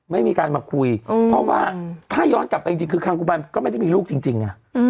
ไม่มีการมาคุยเพราะว่าถ้าย้อนกลับไปจริงคือคังกุบันก็ไม่ได้มีลูกจริงไง